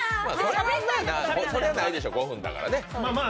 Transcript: それはないでしょう、５分だからね。